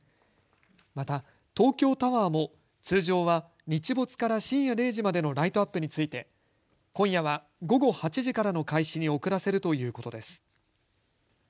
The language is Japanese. また東京タワーも通常は日没から深夜０時までのライトアップについて今夜は午後８時からの開始に遅らせるということです。